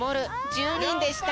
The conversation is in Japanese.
１０にんでした。